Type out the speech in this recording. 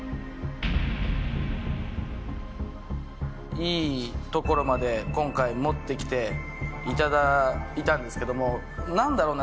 いいところまで今回持ってきていただいたんですけどもなんだろうな？